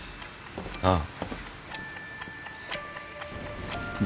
ああ。